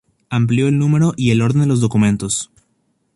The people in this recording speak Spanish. Amplió el número y el orden de los documentos.